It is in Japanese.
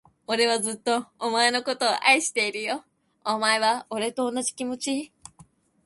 俺はずっと、お前のことを愛してるよ。お前は、俺と同じ気持ち？